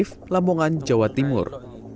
polres lamongan jawa timur